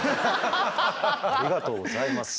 ありがとうございます。